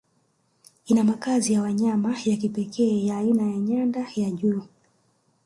Ina makazi ya wanyama ya kipekee ya aina ya nyanda za juu